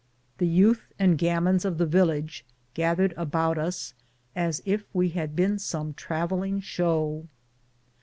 The youth and gamins of the village gathered about us as if we had been some travelling show.